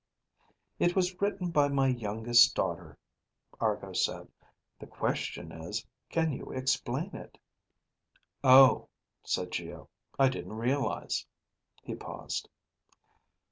"It was written by my youngest daughter," Argo said. "The question is, can you explain it?" "Oh," said Geo. "I didn't realize...." He paused.